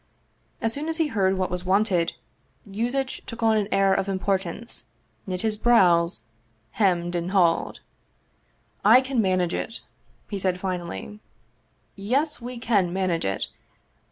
As soon as he heard what was wanted, Yuzitch took on an air of importance, knit his brows, hemmed, and hawed. " I can manage it/' he said finally. " Yes, we can manage it.